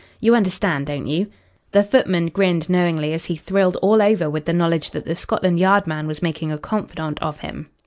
"You understand, don't you?" The footman grinned knowingly as he thrilled all over with the knowledge that the Scotland Yard man was making a confidant of him.